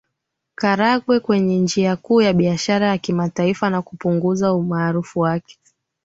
Karagwe kwenye njia Kuu ya biashara ya kimataifa na kupunguza umaarufu wake